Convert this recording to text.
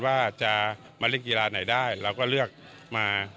ว่าจะมาเล่นกีฬาไหนได้เราก็เลือกมา